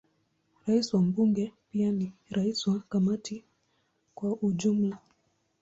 Rais wa Bunge pia ni rais wa Kamati kwa ujumla.